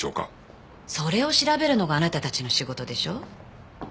それを調べるのがあなたたちの仕事でしょ？